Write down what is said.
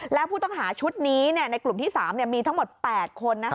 แล้วผู้ต้องหาชุดนี้ในกลุ่มที่๓มีทั้งหมด๘คน